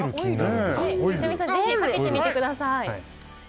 ぜひかけてみてください。